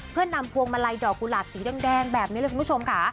เพื่อนำพวงมาลัยดอกกุหลาบสีแดงแบบนี้เลยคุณผู้ชมค่ะ